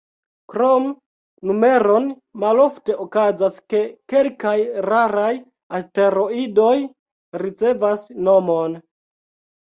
Krom numeron, malofte okazas, ke kelkaj raraj asteroidoj ricevas nomon.